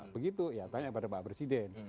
begitu ya tanya pada pak presiden